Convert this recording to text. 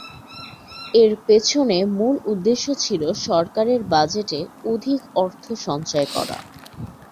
এর পেছনে মূল উদ্দেশ্য ছিলো সরকারের বাজেটে অধিক অর্থ সঞ্চয় করা।